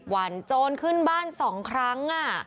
วันโจรขึ้นบ้าน๒ครั้ง